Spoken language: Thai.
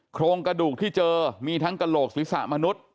โครงกระดูกที่เจอมีทั้งกระโหลกศีรษะมนุษย์